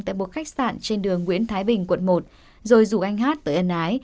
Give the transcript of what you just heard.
tại một khách sạn trên đường nguyễn thái bình quận một rồi rủ anh h tới ấn ái